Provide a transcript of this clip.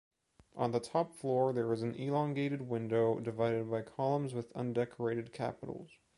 On the top floor there is an elongated window divided by columns with undecorated capitals.